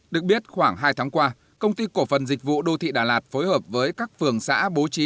được biết khoảng hai tháng qua công ty cổ phần dịch vụ đô thị đà lạt phối hợp với các phường xã bố trí